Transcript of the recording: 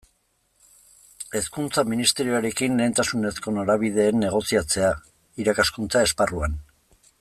Hezkuntza Ministerioarekin lehentasunezko norabideen negoziatzea, irakaskuntza esparruan.